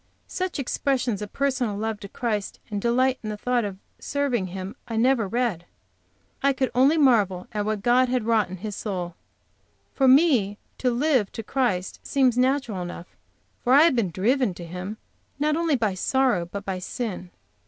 Such expressions of personal love to Christ, and delight in the thought of serving Him, I never read. I could only marvel at what God had wrought in his soul. For me to live to Christ seems natural enough, for I have been driven to Him not only by sorrow but by sin.